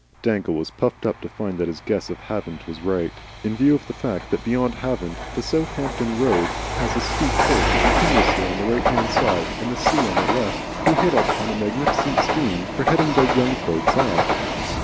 Dangle was puffed up to find that his guess of Havant was right. In view of the fact that beyond Havant the Southampton road has a steep hill continuously on the right hand side, and the sea on the left, he hit upon a magnificent scheme for heading the young folks off.